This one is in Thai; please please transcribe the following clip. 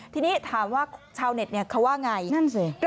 ทีนี้ถามว่าชาวเน็ตเขาว่าอย่างไร